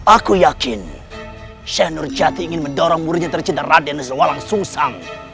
aku yakin syeh nurjati ingin mendorong muridnya tercinta raden zewalang susang